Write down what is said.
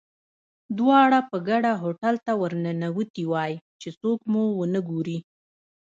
دواړه په ګډه هوټل ته ورننوتي وای، چې څوک مو ونه ګوري.